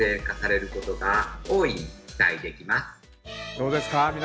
どうですか？